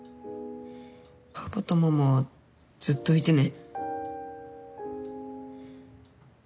パパとママはずっといてね。